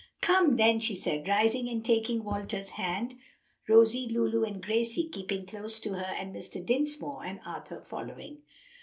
"Come, then," she said, rising and taking Walter's hand, Rosie, Lulu, and Gracie keeping close to her, and Mr. Dinsmore and Arthur following.